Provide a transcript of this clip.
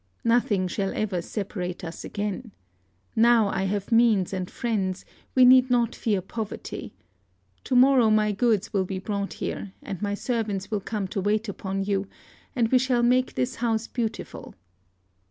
Nothing shall ever separate us again. Now I have means and friends: we need not fear poverty. To morrow my goods will be brought here; and my servants will come to wait upon you; and we shall make this house beautiful....